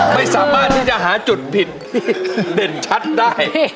ไม่สามารถที่จะหาจุดผิดเด่นชัดได้